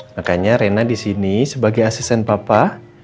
makanya rena disini sebagai asisten papa